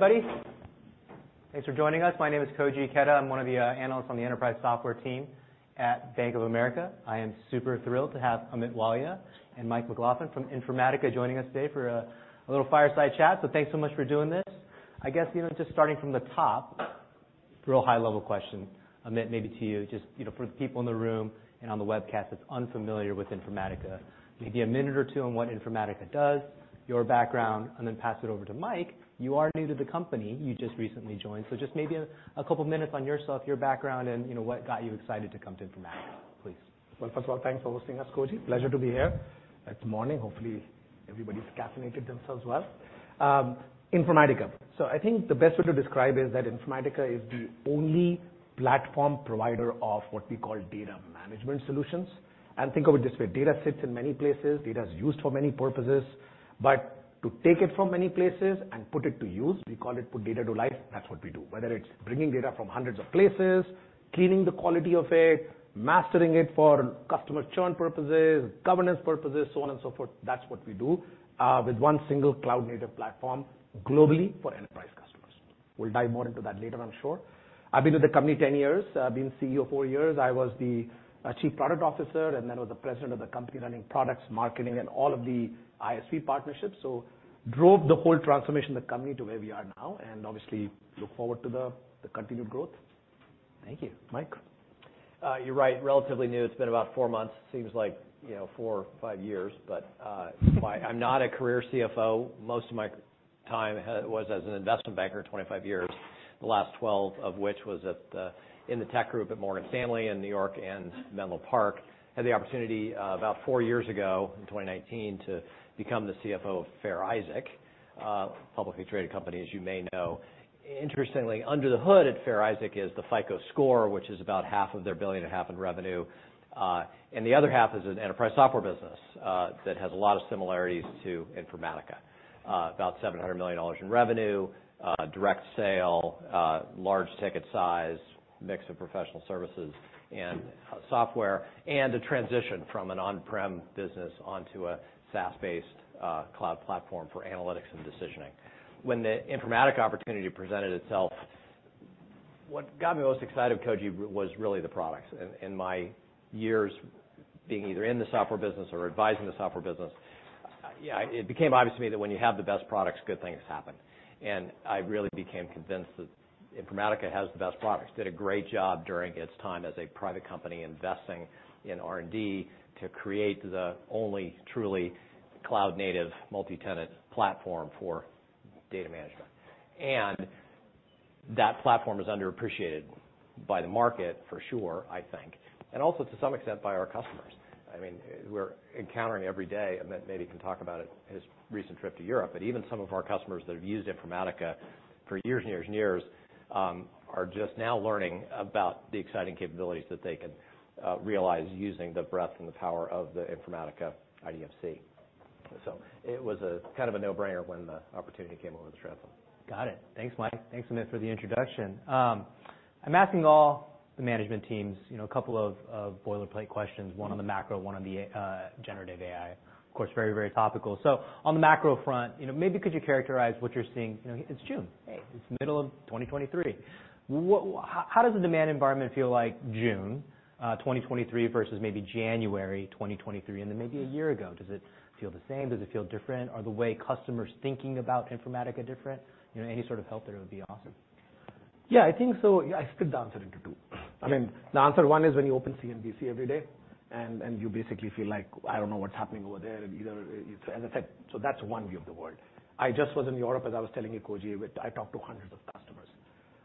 Hey, everybody. Thanks for joining us. My name is Koji Ikeda. I'm one of the analysts on the enterprise software team at Bank of America. I am super thrilled to have Amit Walia and Mike McLaughlin from Informatica joining us today for a little fireside chat. Thanks so much for doing this. I guess, you know, just starting from the top, real high-level question, Amit, maybe to you, just, you know, for the people in the room and on the webcast that's unfamiliar with Informatica, maybe a minute or two on what Informatica does, your background, and then pass it over to Mike. You are new to the company. You just recently joined, so just maybe a couple minutes on yourself, your background, and, you know, what got you excited to come to Informatica, please. Well, first of all, thanks for hosting us, Koji. Pleasure to be here. It's morning. Hopefully, everybody's caffeinated themselves well. Informatica. I think the best way to describe it is that Informatica is the only platform provider of what we call data management solutions. Think of it this way: Data sits in many places. Data is used for many purposes. To take it from many places and put it to use, we call it put data to life. That's what we do. Whether it's bringing data from hundreds of places, cleaning the quality of it, mastering it for customer churn purposes, governance purposes, so on and so forth, that's what we do with one single cloud-native platform globally for enterprise customers. We'll dive more into that later, I'm sure. I've been with the company 10 years. I've been CEO four years. I was the Chief Product Officer, and then I was the President of the company, running products, marketing, and all of the ISV partnerships, so drove the whole transformation of the company to where we are now, and obviously, look forward to the continued growth. Thank you. Mike? You're right, relatively new. It's been about four months. Seems like, you know, four or five years, I'm not a career CFO. Most of my time was as an investment banker, 25 years, the last 12 of which was in the tech group at Morgan Stanley in New York and Menlo Park. Had the opportunity, about four years ago, in 2019, to become the CFO of Fair Isaac, publicly traded company, as you may know. Interestingly, under the hood at Fair Isaac is the FICO score, which is about half of their billion and a half in revenue, and the other half is an enterprise software business that has a lot of similarities to Informatica. About $700 million in revenue, direct sale, large ticket size, mix of professional services and software, and a transition from an on-prem business onto a SaaS-based cloud platform for analytics and decisioning. When the Informatica opportunity presented itself, what got me most excited, Koji, was really the products. In my years being either in the software business or advising the software business, it became obvious to me that when you have the best products, good things happen. I really became convinced that Informatica has the best products. Did a great job during its time as a private company, investing in R&D to create the only truly cloud-native multi-tenant platform for data management. That platform is underappreciated by the market, for sure, I think, and also to some extent, by our customers. I mean, we're encountering every day, Amit maybe can talk about it in his recent trip to Europe, but even some of our customers that have used Informatica for years and years and years, are just now learning about the exciting capabilities that they can realize using the breadth and the power of the Informatica IDMC. It was a kind of a no-brainer when the opportunity came along to transfer. Got it. Thanks, Mike. Thanks, Amit, for the introduction. I'm asking all the management teams, you know, a couple of boilerplate questions, one on the macro, one on the generative AI. Of course, very, very topical. On the macro front, you know, maybe could you characterize what you're seeing? You know, it's June. Right. It's the middle of 2023. How does the demand environment feel like June 2023 versus maybe January 2023, and then maybe a year ago? Does it feel the same? Does it feel different? Are the way customers thinking about Informatica different? You know, any sort of help there would be awesome. Yeah, I think so. I split the answer into two. I mean, the answer one is when you open CNBC every day, and you basically feel like, I don't know what's happening over there. Either it's as effect. That's one view of the world. I just was in Europe, as I was telling you, Koji, where I talked to hundreds of customers.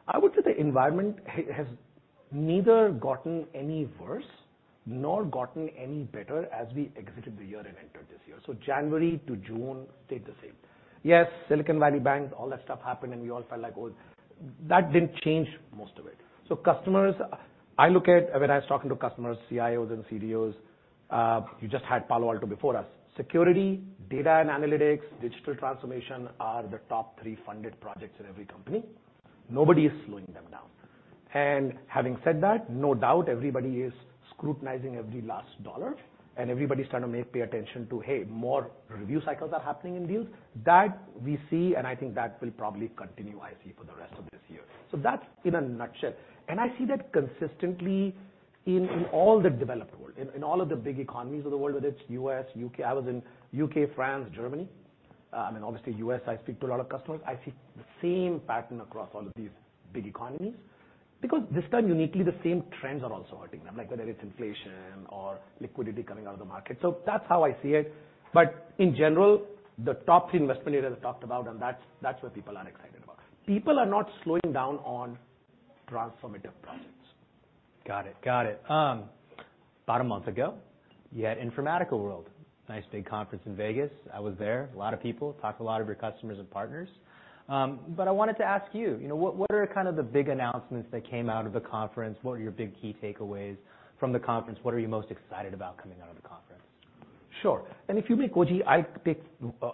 I would say the environment has neither gotten any worse nor gotten any better as we exited the year and entered this year. January to June, stayed the same. Yes, Silicon Valley Bank, all that stuff happened, and we all felt like, oh. That didn't change most of it. Customers, I look at, when I was talking to customers, CIOs and CDOs, you just had Palo Alto before us, security, data and analytics, digital transformation are the top three funded projects in every company. Nobody is slowing them down. Having said that, no doubt, everybody is scrutinizing every last dollar, and everybody's trying to make pay attention to, hey, more review cycles are happening in deals. That we see, and I think that will probably continue, I see, for the rest of this year. That's in a nutshell. I see that consistently in all the developed world, in all of the big economies of the world, whether it's U.S., U.K. I was in U.K., France, Germany. I mean, obviously, U.S., I speak to a lot of customers. I see the same pattern across all of these big economies because this time, uniquely, the same trends are also hurting them, like whether it's inflation or liquidity coming out of the market. That's how I see it. In general, the top three investment areas I talked about, and that's what people are excited about. People are not slowing down on transformative projects. Got it. Got it. About a month ago, you had Informatica World. Nice, big conference in Vegas. I was there. A lot of people. Talked to a lot of your customers and partners. I wanted to ask you know, what are kind of the big announcements that came out of the conference? What are your big key takeaways from the conference? What are you most excited about coming out of the conference? Sure. If you may, Koji, I take,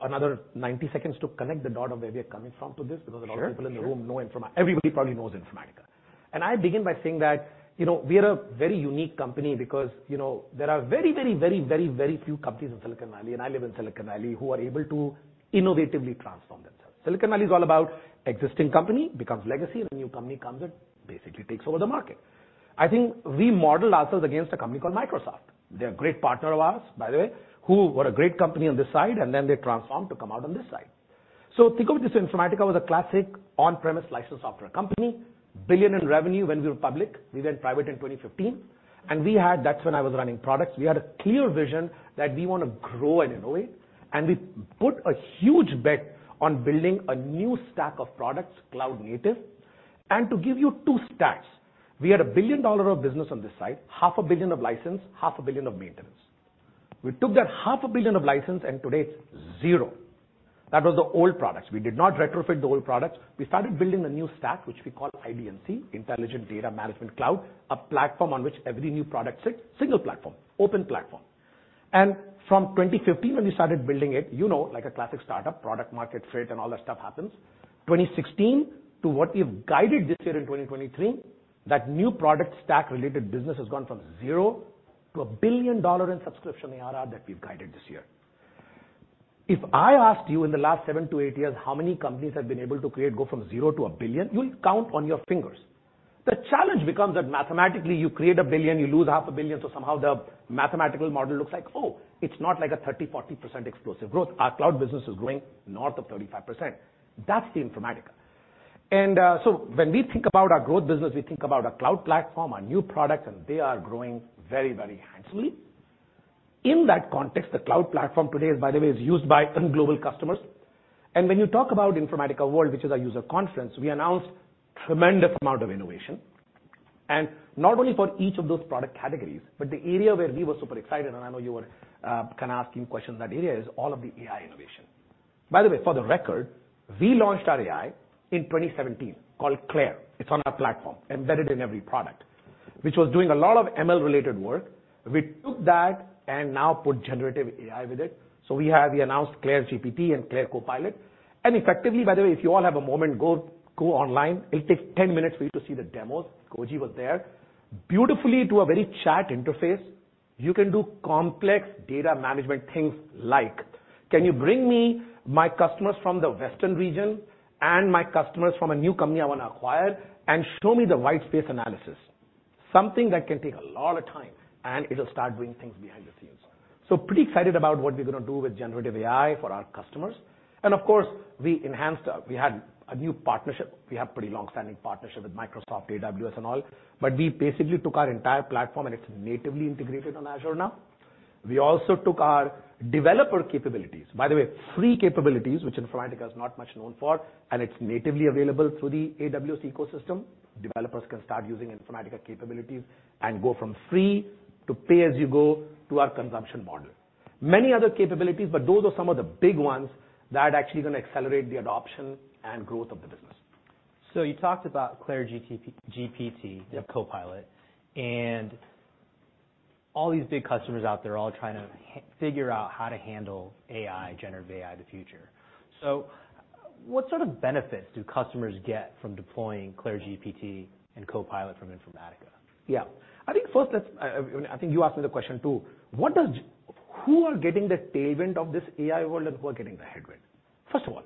another 90 seconds to connect the dot of where we are coming from to this. Sure. Because a lot of people in the room know Informatica. Everybody probably knows Informatica. I begin by saying that, you know, we are a very unique company because, you know, there are very, very, very, very, very few companies in Silicon Valley, and I live in Silicon Valley, who are able to innovatively transform themselves. Silicon Valley is all about existing company becomes legacy, and a new company comes in, basically takes over the market. I think we model ourselves against a company called Microsoft. They're a great partner of ours, by the way, who were a great company on this side, and then they transformed to come out on this side. Think of this, Informatica was a classic on-premise license software company, $1 billion in revenue when we were public. We went private in 2015. That's when I was running products. We had a clear vision that we want to grow and innovate, we put a huge bet on building a new stack of products, cloud native. To give you two stats, we had $1 billion of business on this side, $500,000,000 of license, $500,000,000 of maintenance. We took that $500,000,000 of license, Today it's zero. That was the old products. We did not retrofit the old products. We started building a new stack, which we call IDMC, Intelligent Data Management Cloud, a platform on which every new product sits. Single platform, open platform. From 2015, when we started building it, you know, like a classic start-up, product, market fit and all that stuff happens. 2016 to what we've guided this year in 2023, that new product stack-related business has gone from zero to a $1 billion in subscription ARR that we've guided this year. If I asked you in the last seven to eight years, how many companies have been able to create, go from zero to a $1 billion, you'll count on your fingers. The challenge becomes that mathematically, you create a $1 billion, you lose $500,000,000. Somehow the mathematical model looks like, oh, it's not like a 30%, 40% explosive growth. Our cloud business is growing north of 35%. That's the Informatica. When we think about our growth business, we think about our cloud platform, our new products, and they are growing very, very handsomely. In that context, the cloud platform today, by the way, is used by 10 global customers. When you talk about Informatica World, which is our user conference, we announced tremendous amount of innovation, not only for each of those product categories, but the area where we were super excited, and I know you were kinda asking questions in that area, is all of the AI innovation. By the way, for the record, we launched our AI in 2017, called CLAIRE. It's on our platform, embedded in every product, which was doing a lot of ML-related work. We took that and now put generative AI with it. We announced CLAIRE GPT and CLAIRE Copilot. Effectively, by the way, if you all have a moment, go online. It'll take 10 minutes for you to see the demos. Koji was there. Beautifully, to a very chat interface, you can do complex data management things like: Can you bring me my customers from the Western region and my customers from a new company I want to acquire, and show me the white space analysis? Something that can take a lot of time, and it'll start doing things behind the scenes. Pretty excited about what we're gonna do with generative AI for our customers. Of course, we had a new partnership. We have pretty long-standing partnership with Microsoft, AWS and all, but we basically took our entire platform, and it's natively integrated on Azure now. We also took our developer capabilities, by the way, free capabilities, which Informatica is not much known for, and it's natively available through the AWS ecosystem. Developers can start using Informatica capabilities and go from free to pay-as-you-go to our consumption model. Many other capabilities, but those are some of the big ones that are actually gonna accelerate the adoption and growth of the business. You talked about CLAIRE GPT, the Copilot, and all these big customers out there, all trying to figure out how to handle AI, generative AI, the future. What sort of benefits do customers get from deploying CLAIRE GPT and Copilot from Informatica? Yeah. I think first, I think you asked me the question, too. What does Who are getting the tailwind of this AI world, and who are getting the headwind? First of all,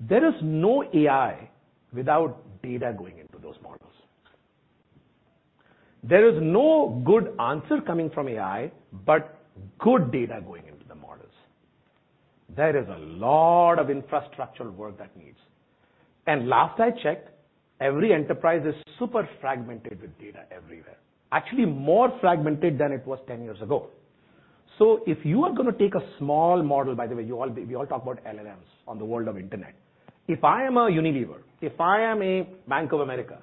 there is no AI without data going into those models. There is no good answer coming from AI, but good data going into the models. There is a lot of infrastructural work that needs. Last I checked, every enterprise is super fragmented with data everywhere, actually more fragmented than it was 10 years ago. If you are gonna take a small model, by the way, you all, we all talk about LLMs on the world of internet. If I am a Unilever, if I am a Bank of America,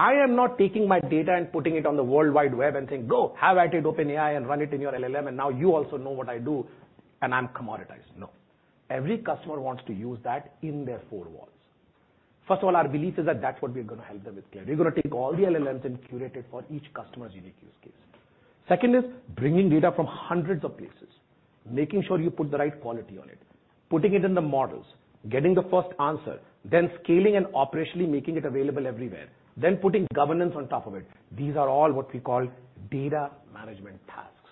I am not taking my data and putting it on the World Wide Web and saying: "Go, have at it, OpenAI, and run it in your LLM, and now you also know what I do, and I'm commoditized." No. Every customer wants to use that in their four walls. First of all, our belief is that that's what we're gonna help them with CLAIRE. We're gonna take all the LLMs and curate it for each customer's unique use case. Second is bringing data from hundreds of places, making sure you put the right quality on it, putting it in the models, getting the first answer, then scaling and operationally making it available everywhere, then putting governance on top of it. These are all what we call data management tasks,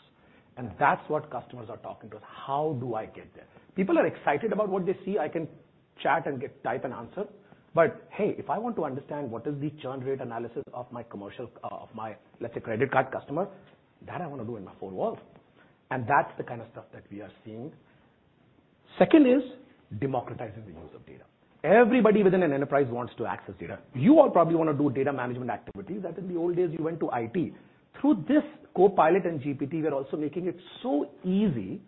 and that's what customers are talking to us: "How do I get there?" People are excited about what they see. I can chat and get type and answer, but hey, if I want to understand what is the churn rate analysis of my commercial, of my, let's say, credit card customer, that I want to do in my four walls. That's the kind of stuff that we are seeing. Second is democratizing the use of data. Everybody within an enterprise wants to access data. You all probably want to do data management activities, that in the old days, you went to IT. Through this Copilot and GPT, we're also making it so easy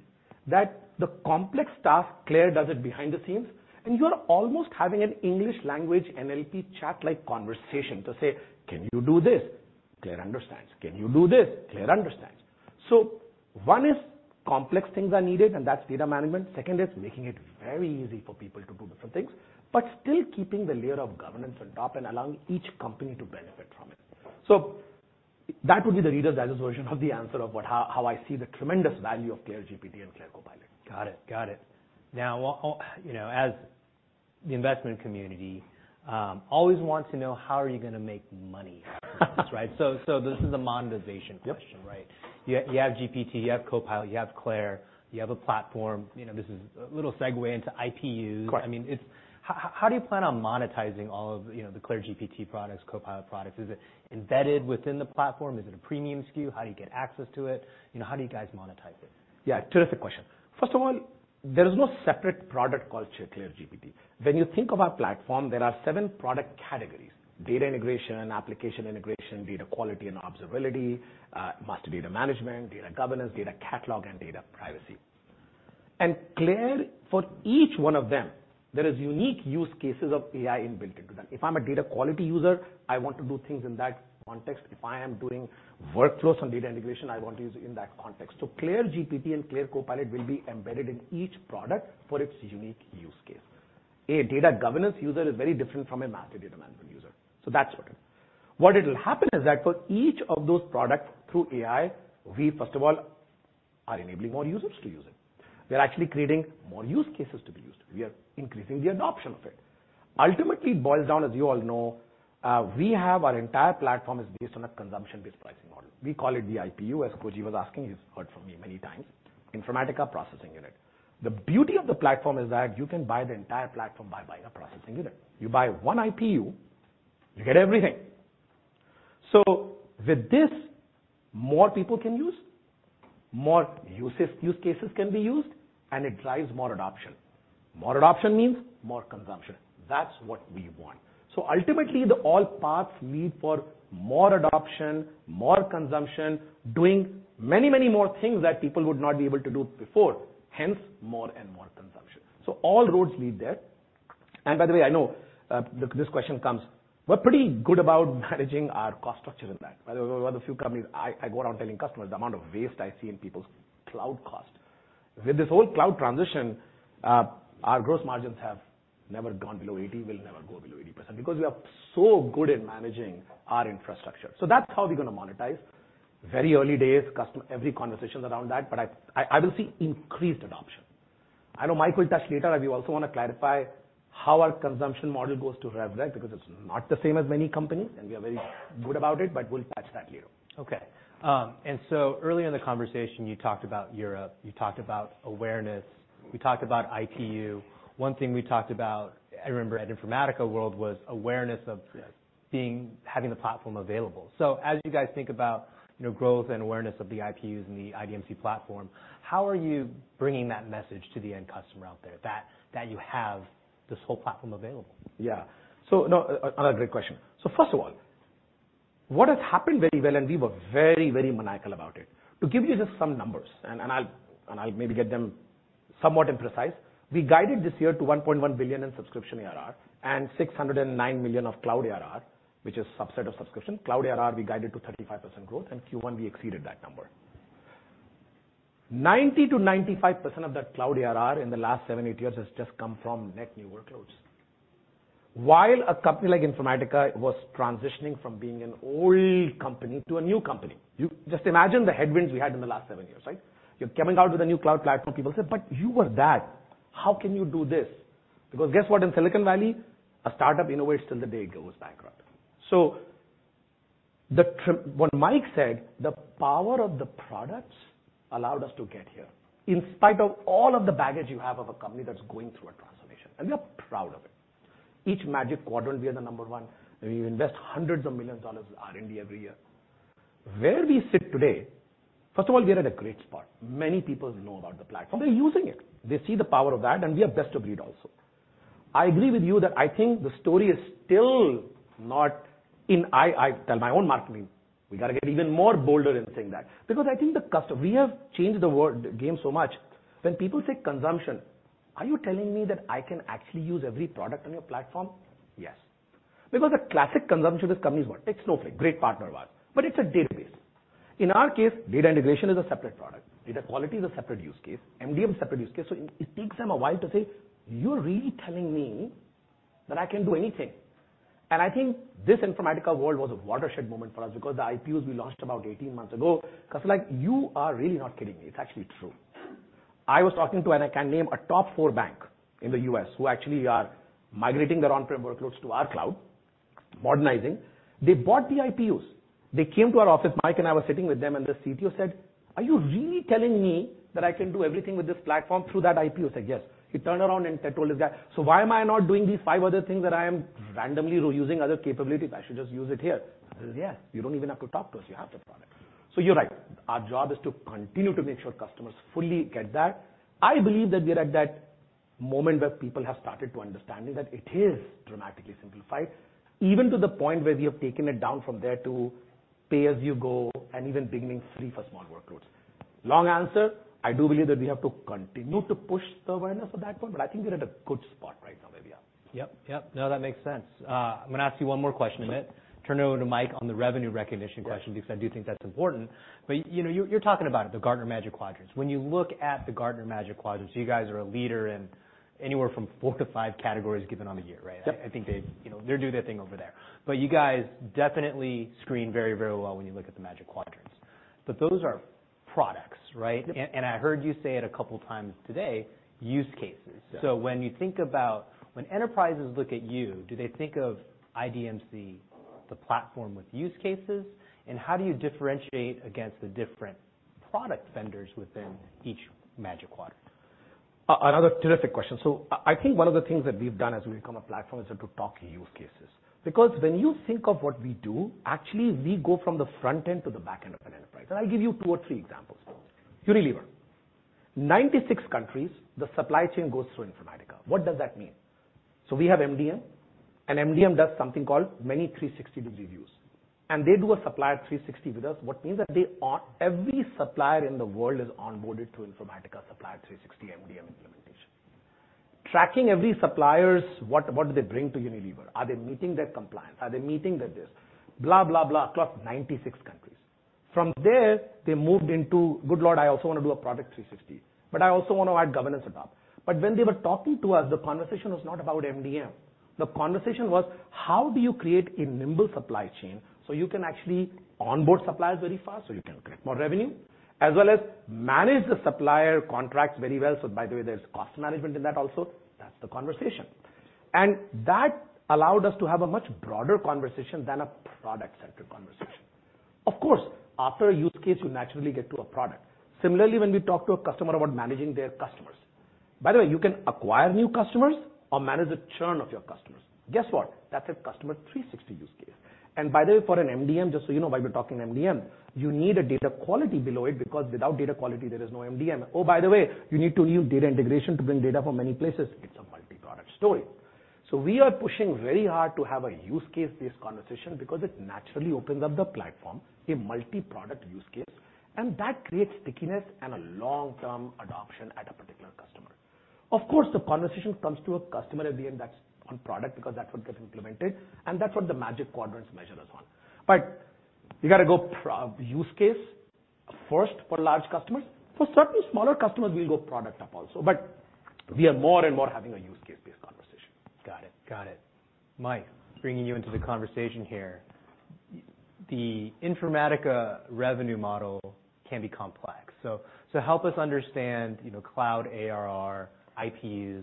that the complex task, CLAIRE does it behind the scenes, and you are almost having an English language NLP chat-like conversation to say, "Can you do this?" CLAIRE understands. "Can you do this?" CLAIRE understands. One is, complex things are needed, and that's data management. Second is making it very easy for people to do different things, but still keeping the layer of governance on top and allowing each company to benefit from it. That would be the leader's analyst version of the answer of what, how I see the tremendous value of CLAIRE GPT and CLAIRE Copilot. Got it. Got it. Well, you know, as the investment community, always wants to know, how are you gonna make money out of this, right? This is a monetization question, right? Yep. You have GPT, you have Copilot, you have CLAIRE, you have a platform. You know, this is a little segue into IPUs. Correct. I mean, How do you plan on monetizing all of, you know, the CLAIRE GPT products, Copilot products? Is it embedded within the platform? Is it a premium SKU? How do you get access to it? You know, how do you guys monetize it? Terrific question. First of all, there is no separate product called CLAIRE GPT. When you think of our platform, there are seven product categories: data integration, application integration, data quality and observability, master data management, data governance, data catalog, and data privacy. CLAIRE, for each one of them, there is unique use cases of AI inbuilt into them. If I'm a data quality user, I want to do things in that context. If I am doing workflows on data integration, I want to use it in that context. CLAIRE GPT and CLAIRE Copilot will be embedded in each product for its unique use case. A data governance user is very different from a master data management user, so that's what it is. What it'll happen is that for each of those products, through AI, we first of all, are enabling more users to use it. We're actually creating more use cases to be used. We are increasing the adoption of it. Ultimately, boils down, as you all know, we have our entire platform is based on a consumption-based pricing model. We call it the IPU, as Koji was asking, he's heard from me many times, Informatica Processing Unit. The beauty of the platform is that you can buy the entire platform by buying a processing unit. You buy 1 IPU, you get everything. With this, more people can use, more uses, use cases can be used, and it drives more adoption. More adoption means more consumption. That's what we want. Ultimately, the all paths lead for more adoption, more consumption, doing many, many more things that people would not be able to do before. Hence, more and more consumption. All roads lead there. I know, look, this question comes. We're pretty good about managing our cost structure in that. By the way, we're one of the few companies. I go around telling customers the amount of waste I see in people's cloud cost. With this whole cloud transition, our gross margins have never gone below 80%, will never go below 80% because we are so good at managing our infrastructure. That's how we're gonna monetize. Very early days, every conversation around that, but I will see increased adoption. I know Mike will touch later, and we also want to clarify how our consumption model goes to rev because it's not the same as many companies, and we are very good about it, but we'll touch that later. Okay. earlier in the conversation, you talked about Europe, you talked about awareness, we talked about IPU. One thing we talked about, I remember at Informatica World, was awareness of. Yes. Being, having the platform available. As you guys think about, you know, growth and awareness of the IPUs and the IDMC platform, how are you bringing that message to the end customer out there, that you have this whole platform available? Yeah. No, another great question. First of all, what has happened very well, and we were very, very maniacal about it. To give you just some numbers, and I'll maybe get them somewhat imprecise. We guided this year to $1.1 billion in subscription ARR, and $609 million of cloud ARR, which is subset of subscription. Cloud ARR, we guided to 35% growth. In Q1, we exceeded that number. 90%-95% of that cloud ARR in the last seven, eight years has just come from net new workloads. While a company like Informatica was transitioning from being an old company to a new company, just imagine the headwinds we had in the last seven years, right? You're coming out with a new cloud platform, people said: "But you were that. How can you do this?" Because guess what? In Silicon Valley, a startup innovates till the day it goes bankrupt. What Mike said, the power of the products allowed us to get here, in spite of all of the baggage you have of a company that's going through a transformation. We are proud of it. Each Magic Quadrant, we are the number one. We invest hundreds of millions of dollars in R&D every year. Where we sit today, first of all, we are at a great spot. Many people know about the platform. They're using it. They see the power of that. We are best of breed also. I agree with you that I think the story is still not in. I tell my own marketing, "We gotta get even more bolder in saying that." I think the customer. We have changed the world game so much. When people say consumption, are you telling me that I can actually use every product on your platform? Yes. The classic consumption is companies want. Take Snowflake, great partner of ours, but it's a database. In our case, data integration is a separate product. Data quality is a separate use case. MDM, separate use case. It takes them a while to say: You're really telling me that I can do anything? I think this Informatica World was a watershed moment for us because the IPUs we launched about 18 months ago, because, like, you are really not kidding me. It's actually true. I was talking to, I can name a top four bank in the U.S., who actually are migrating their on-prem workloads to our cloud, modernizing. They bought the IPUs. They came to our office, Mike and I were sitting with them, the CTO said: "Are you really telling me that I can do everything with this platform through that IPU?" I said, "Yes." He turned around and told his guy, "Why am I not doing these five other things that I am randomly using other capabilities? I should just use it here." I said, "Yeah, you don't even have to talk to us. You have the product." You're right. Our job is to continue to make sure customers fully get that. I believe that we are at that moment where people have started to understanding that it is dramatically simplified, even to the point where we have taken it down from there to pay-as-you-go and even bringing free for small workloads. Long answer, I do believe that we have to continue to push the awareness of that point, but I think we're at a good spot right now, maybe, yeah. Yep. No, that makes sense. I'm gonna ask you one more question in a bit. Turn it over to Mike on the revenue recognition question. Yeah. Because I do think that's important. You know, you're talking about it, the Gartner Magic Quadrants. When you look at the Gartner Magic Quadrants, you guys are a leader in anywhere from four to five categories, given on the year, right? Yep. I think they, you know, they do their thing over there. You guys definitely screen very, very well when you look at the Magic Quadrants. Those are products, right? I heard you say it a couple of times today, use cases. Yes. When enterprises look at you, do they think of IDMC, the platform with use cases? How do you differentiate against the different product vendors within each Magic Quadrant? Another terrific question. I think one of the things that we've done as we become a platform is to talk use cases. When you think of what we do, actually, we go from the front end to the back end of an enterprise. I'll give you two or three examples. Unilever, 96 countries, the supply chain goes through Informatica. What does that mean? We have MDM, and MDM does something called many 360-degree views. They do a Supplier 360 with us, what means that every supplier in the world is onboarded to Informatica Supplier 360 MDM implementation. Tracking every supplier's, what do they bring to Unilever? Are they meeting their compliance? Are they meeting their this? Blah, blah, across 96 countries. From there, they moved into, "Good Lord, I also want to do a Product 360, but I also want to add governance above." When they were talking to us, the conversation was not about MDM. The conversation was, how do you create a nimble supply chain so you can actually onboard suppliers very fast, so you can create more revenue, as well as manage the supplier contracts very well? By the way, there's cost management in that also. That's the conversation. That allowed us to have a much broader conversation than a product-centric conversation. Of course, after a use case, you naturally get to a product. Similarly, when we talk to a customer about managing their customers. By the way, you can acquire new customers or manage the churn of your customers. Guess what? That's a Customer 360 use case. By the way, for an MDM, just so you know, while we're talking MDM, you need a data quality below it, because without data quality, there is no MDM. By the way, you need to use data integration to bring data from many places. It's a multi-product story. We are pushing very hard to have a use case-based conversation because it naturally opens up the platform, a multi-product use case, and that creates stickiness and a long-term adoption at a particular customer. Of course, the conversation comes to a customer at the end, that's on product, because that's what gets implemented, and that's what the Magic Quadrants measure us on. You got to go use case first for large customers. For certain smaller customers, we'll go product up also, we are more and more having a use case-based conversation. Got it. Got it. Mike, bringing you into the conversation here. The Informatica revenue model can be complex. Help us understand, you know, cloud ARR, IPUs,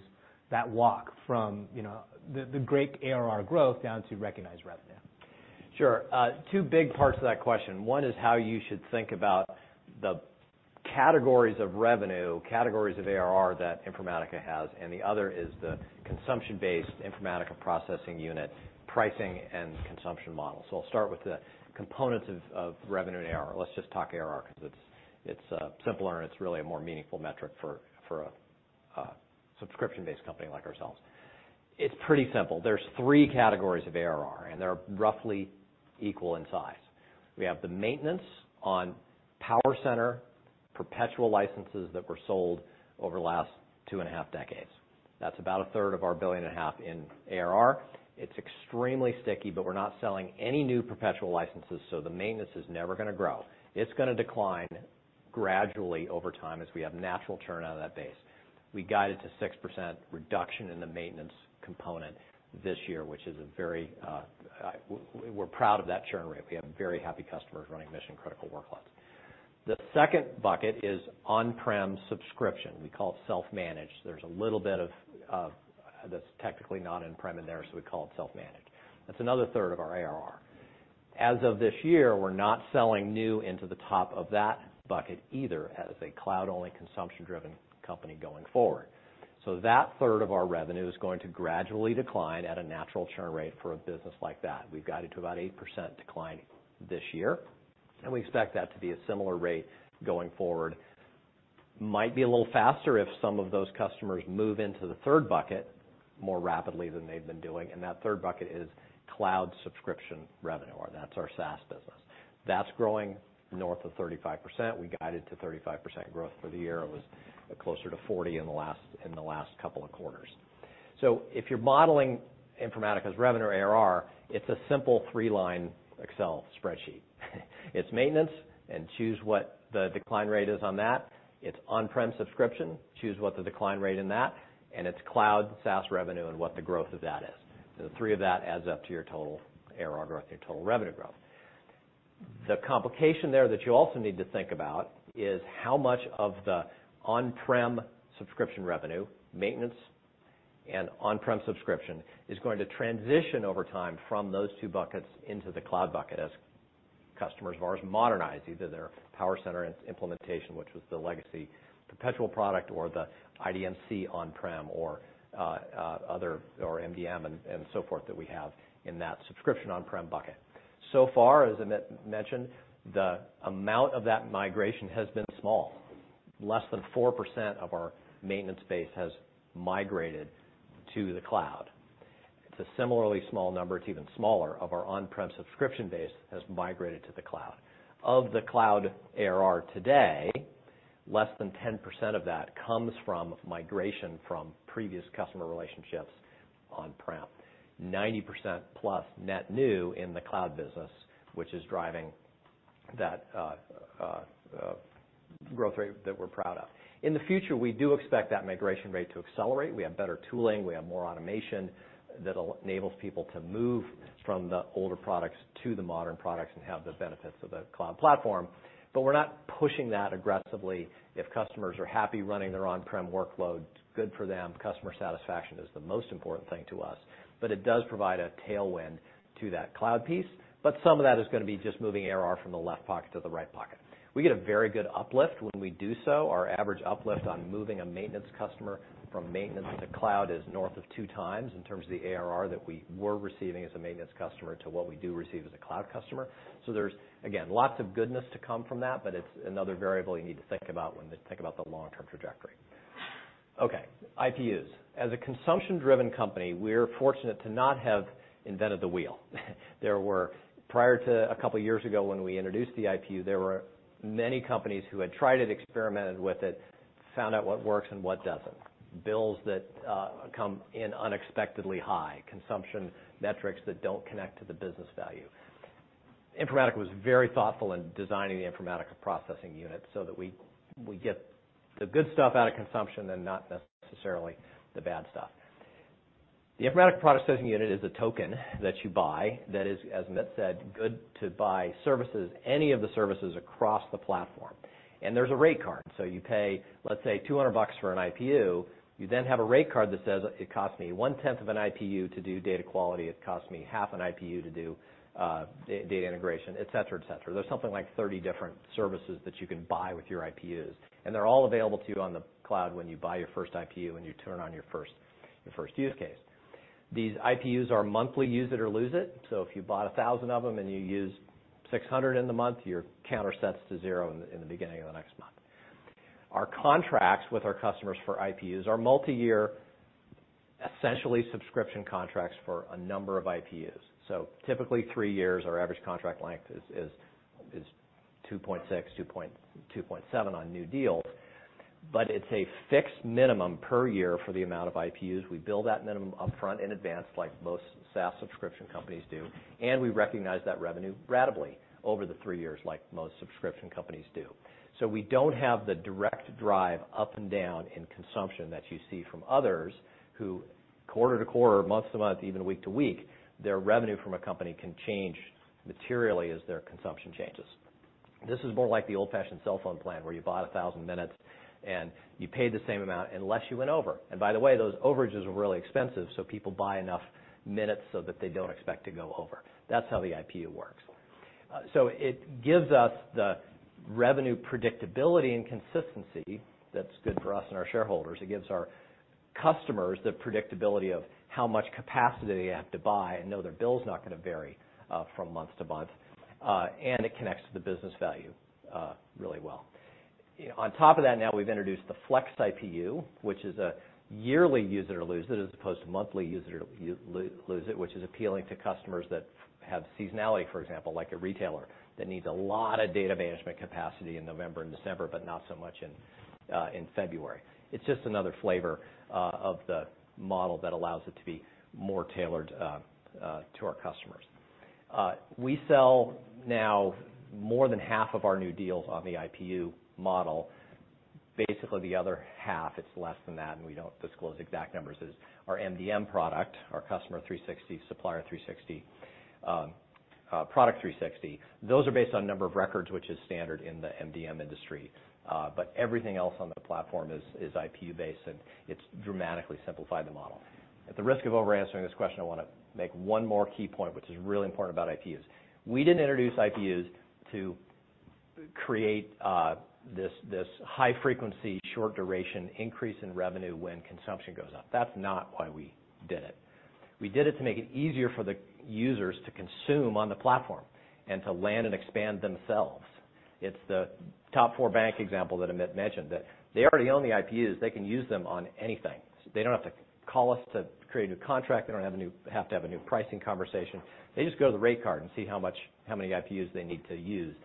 that walk from, you know, the great ARR growth down to recognized revenue. Sure. Two big parts to that question. One is how you should think about the categories of revenue, categories of ARR that Informatica has. The other is the consumption-based Informatica Processing Unit pricing and consumption model. I'll start with the components of revenue and ARR. Let's just talk ARR because it's simpler, and it's really a more meaningful metric for a subscription-based company like ourselves. It's pretty simple. There's three categories of ARR. They're roughly equal in size. We have the maintenance on PowerCenter, perpetual licenses that were sold over the last two and a half decades. That's about 1/3 of our $1.5 billion in ARR. It's extremely sticky, but we're not selling any new perpetual licenses, so the maintenance is never gonna grow. It's gonna decline gradually over time as we have natural churn out of that base. We guided to 6% reduction in the maintenance component this year. We're proud of that churn rate. We have very happy customers running mission-critical workloads. The second bucket is on-prem subscription. We call it self-managed. There's a little bit of that's technically not on-prem in there, so we call it self-managed. That's another third of our ARR. As of this year, we're not selling new into the top of that bucket either, as a cloud-only, consumption-driven company going forward. That third of our revenue is going to gradually decline at a natural churn rate for a business like that. We've guided to about 8% decline this year, and we expect that to be a similar rate going forward. Might be a little faster if some of those customers move into the third bucket more rapidly than they've been doing, and that third bucket is cloud subscription revenue, or that's our SaaS business. That's growing north of 35%. We guided to 35% growth for the year. It was closer to 40% in the last couple of quarters. If you're modeling Informatica's revenue or ARR, it's a simple three-line Excel spreadsheet. It's maintenance, and choose what the decline rate is on that. It's on-prem subscription, choose what the decline rate in that, and it's cloud SaaS revenue, and what the growth of that is. The three of that adds up to your total ARR growth or total revenue growth. The complication there that you also need to think about is how much of the on-prem subscription revenue, maintenance and on-prem subscription, is going to transition over time from those two buckets into the cloud bucket as customers of ours modernize either their PowerCenter implementation, which was the legacy perpetual product, or the IDMC on-prem or MDM and so forth, that we have in that subscription on-prem bucket. As Amit mentioned, the amount of that migration has been small. Less than 4% of our maintenance base has migrated to the cloud. It's a similarly small number, it's even smaller, of our on-prem subscription base has migrated to the cloud. Of the cloud ARR today, less than 10% of that comes from migration from previous customer relationships on-prem. 90%+ net new in the cloud business, which is driving that growth rate that we're proud of. In the future, we do expect that migration rate to accelerate. We have better tooling, we have more automation that enables people to move from the older products to the modern products, and have the benefits of the cloud platform. We're not pushing that aggressively. If customers are happy running their on-prem workload, good for them. Customer satisfaction is the most important thing to us, but it does provide a tailwind to that cloud piece. Some of that is gonna be just moving ARR from the left pocket to the right pocket. We get a very good uplift when we do so. Our average uplift on moving a maintenance customer from maintenance to cloud is north of two times, in terms of the ARR that we were receiving as a maintenance customer, to what we do receive as a cloud customer. There's, again, lots of goodness to come from that, but it's another variable you need to think about when you think about the long-term trajectory. Okay, IPUs. As a consumption-driven company, we're fortunate to not have invented the wheel. Prior to a couple years ago, when we introduced the IPU, there were many companies who had tried it, experimented with it, found out what works and what doesn't. Bills that come in unexpectedly high. Consumption metrics that don't connect to the business value. Informatica was very thoughtful in designing the Informatica Processing Unit, that we get the good stuff out of consumption and not necessarily the bad stuff. The Informatica Processing Unit is a token that you buy that is, as Amit said, good to buy services, any of the services across the platform. There's a rate card, so you pay, let's say, $200 for an IPU. You have a rate card that says, "It costs me one-tenth of an IPU to do data quality. It costs me half an IPU to do data integration," et cetera, et cetera. There's something like 30 different services that you can buy with your IPUs, they're all available to you on the cloud when you buy your first IPU and you turn on your first use case. These IPUs are monthly, use it or lose it. If you bought 1,000 of them, and you used 600 in the month, your counter sets to zero in the beginning of the next month. Our contracts with our customers for IPUs are multiyear, essentially subscription contracts for a number of IPUs. Typically three years, our average contract length is 2.6, 2.7 on new deals. It's a fixed minimum per year for the amount of IPUs. We bill that minimum upfront in advance, like most SaaS subscription companies do. We recognize that revenue ratably over the three years, like most subscription companies do. We don't have the direct drive up and down in consumption that you see from others, who quarter to quarter, month to month, even week to week, their revenue from a company can change materially as their consumption changes. This is more like the old-fashioned cell phone plan, where you bought 1,000 minutes, and you paid the same amount unless you went over. By the way, those overages were really expensive, so people buy enough minutes so that they don't expect to go over. That's how the IPU works. It gives us the revenue predictability and consistency that's good for us and our shareholders. It gives our customers the predictability of how much capacity they have to buy and know their bill's not gonna vary from month to month. It connects to the business value really well. On top of that, now we've introduced the Flex IPU, which is a yearly use it or lose it, as opposed to monthly use it or lose it, which is appealing to customers that have seasonality, for example, like a retailer, that needs a lot of data management capacity in November and December, but not so much in February. It's just another flavor of the model that allows it to be more tailored to our customers. We sell now more than half of our new deals on the IPU model. Basically, the other half, it's less than that, and we don't disclose exact numbers, is our MDM product, our Customer 360, Supplier 360, Product 360. Those are based on number of records, which is standard in the MDM industry. Everything else on the platform is IPU-based, and it's dramatically simplified the model. At the risk of over answering this question, I want to make one more key point, which is really important about IPUs. We didn't introduce IPUs to create this high frequency, short duration increase in revenue when consumption goes up. That's not why we did it. We did it to make it easier for the users to consume on the platform and to land and expand themselves. It's the top four bank example that Amit mentioned, that they already own the IPUs, they can use them on anything. They don't have to call us to create a new contract. They don't have to have a new pricing conversation. They just go to the rate card and see how many IPUs they need to use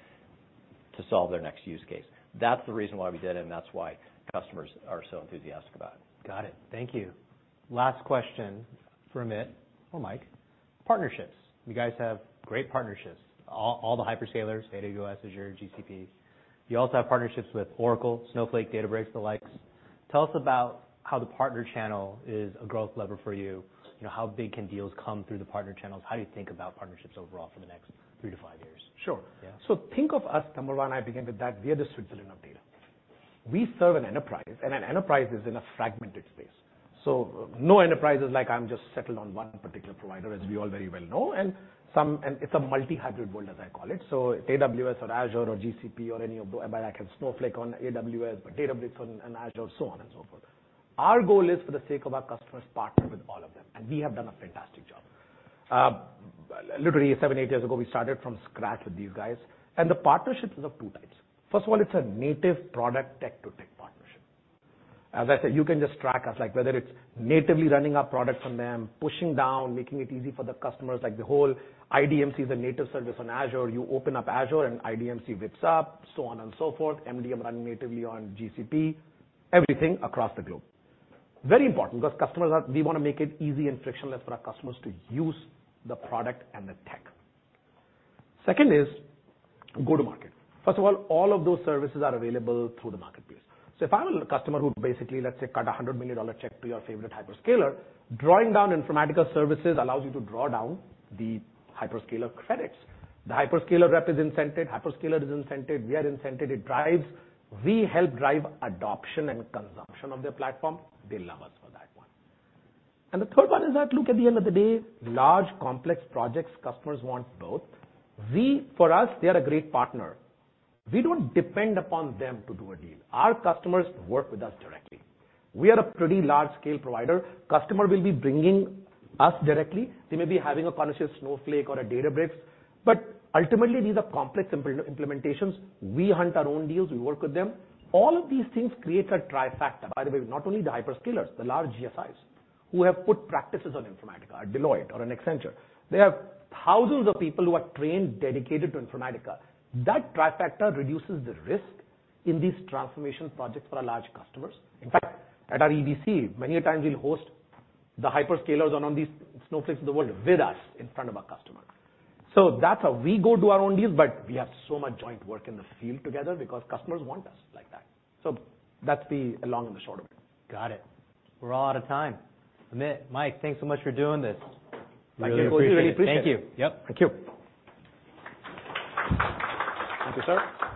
to solve their next use case. That's the reason why we did it, and that's why customers are so enthusiastic about it. Got it. Thank you. Last question for Amit or Mike. Partnerships. You guys have great partnerships. All the hyperscalers, AWS, Azure, GCP. You also have partnerships with Oracle, Snowflake, Databricks, the likes. Tell us about how the partner channel is a growth lever for you. You know, how big can deals come through the partner channels? How do you think about partnerships overall for the next three to five years? Sure. Yeah. Think of us, Tamra and I began with that, we are the Switzerland of data. We serve an enterprise, and an enterprise is in a fragmented space. No enterprise is like, I'm just settled on one particular provider, as we all very well know, and it's a multi-hybrid world, as I call it. AWS or Azure or GCP or any of, but I can Snowflake on AWS, but Databricks on, in Azure, so on and so forth. Our goal is, for the sake of our customers, partner with all of them, and we have done a fantastic job. Literally seven, eight years ago, we started from scratch with these guys. The partnerships are of two types. First of all, it's a native product, tech-to-tech partnership. As I said, you can just track us, like, whether it's natively running our product from them, pushing down, making it easy for the customers. Like, the whole IDMC is a native service on Azure. You open up Azure, and IDMC whips up, so on and so forth. MDM run natively on GCP, everything across the globe. Very important, because customers, we want to make it easy and frictionless for our customers to use the product and the tech. Second is go to market. First of all of those services are available through the marketplace. If I'm a customer who basically, let's say, cut a $100 million check to your favorite hyperscaler, drawing down Informatica services allows you to draw down the hyperscaler credits. The hyperscaler rep is incented, hyperscaler is incented, we are incented. We help drive adoption and consumption of their platform. They love us for that one. The third one is that, look, at the end of the day, large complex projects, customers want both. We, for us, they are a great partner. We don't depend upon them to do a deal. Our customers work with us directly. We are a pretty large-scale provider. Customer will be bringing us directly. They may be having a partnership, Snowflake or a Databricks, but ultimately, these are complex implementations. We hunt our own deals, we work with them. All of these things create a trifecta, by the way, not only the hyperscalers, the large GSIs, who have put practices on Informatica, a Deloitte or an Accenture. They have thousands of people who are trained, dedicated to Informatica. That trifecta reduces the risk in these transformation projects for our large customers. At our EDC, many a times we'll host the hyperscalers on these Snowflakes of the world with us in front of our customer. That's how we go do our own deals, but we have so much joint work in the field together because customers want us like that. That's the long and the short of it. Got it. We're all out of time. Amit, Mike, thanks so much for doing this. Really appreciate it. Thank you. Yep. Thank you. Thank you, sir.